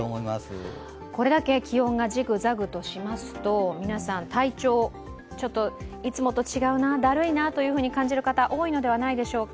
これだけ気温がジクザクしますと、皆さん、体調、いつもと違うなだるいなというふうに感じる方多いのではないでしょうか。